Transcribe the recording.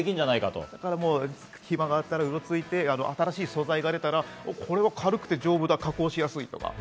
暇があったらうろついて、新しい素材が出たら、これは軽くて丈夫で加工しやすいとか。